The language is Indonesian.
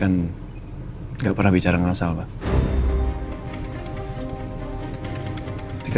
tapi belum tentu benar benar baik